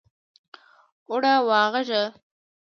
اوړه واغږه!